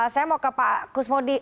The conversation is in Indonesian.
saya mau ke pak kusmodi